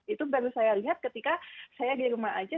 itu baru saya lihat ketika saya di rumah aja